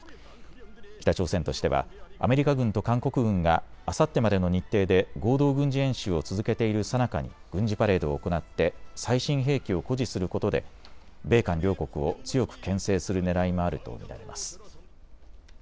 北朝鮮としてはアメリカ軍と韓国軍があさってまでの日程で合同軍事演習を続けているさなかに軍事パレードを行って最新兵器を誇示することで米韓両国を強くけん制するねらいもあると見られます。